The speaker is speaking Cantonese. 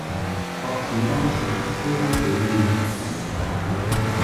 國恥當前，犧牲小便，完成大便